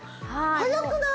早くない？